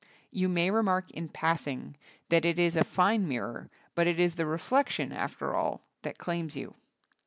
You may remark in passing that it is a fine mirror, but it is the reflection, after all, that claims you.